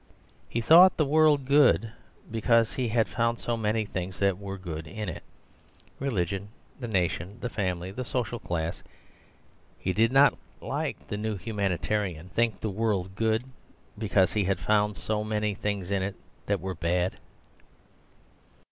He thought the world good because he had found so many things that were good in it religion, the nation, the family, the social class. He did not, like the new humanitarian, think the world good because he had found so many things in it that were bad.